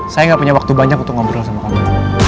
saya gak punya waktu banyak untuk ngobrol sama kami